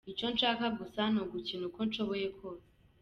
"Icyo nshaka gusa ni ugukina uko nshoboye kose.